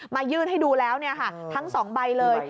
ยื่นให้ดูแล้วทั้ง๒ใบเลย